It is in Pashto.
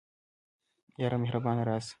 یاره مهربانه راسه